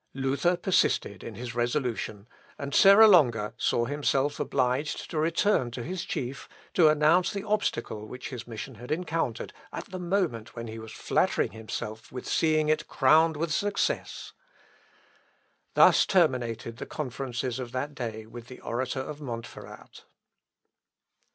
Luther persisted in his resolution, and Serra Longa saw himself obliged to return to his chief, to announce the obstacle which his mission had encountered at the moment when he was flattering himself with seeing it crowned with success. Thus terminated the conferences of that day with the orator of Montferrat.